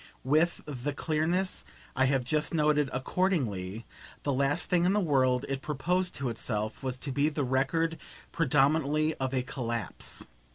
With the clearness I have just noted, accordingly, the last thing in the world it proposed to itself was to be the record predominantly of a collapse.